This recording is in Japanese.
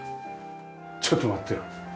ちょっと待ってよ。